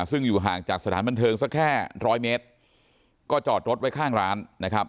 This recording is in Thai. ซึ่งอยู่ห่างจากสถานบันเทิงสักแค่ร้อยเมตรก็จอดรถไว้ข้างร้านนะครับ